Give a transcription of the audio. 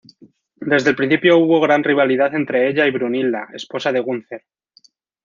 Desde el principio, hubo gran rivalidad entre ella y Brunilda, esposa de Gunther.